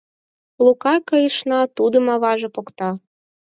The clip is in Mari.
— Лука, кайышна, — тудым аваже покта